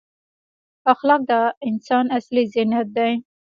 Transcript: اخلاق د انسان اصلي زینت دی.